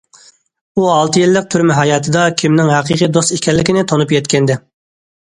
ئۇ ئالتە يىللىق تۈرمە ھاياتىدا كىمنىڭ ھەقىقىي دوست ئىكەنلىكىنى تونۇپ يەتكەنىدى.